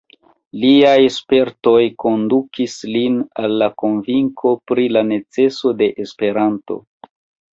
Liaj spertoj kondukis lin al la konvinko pri la neceso de Esperanto.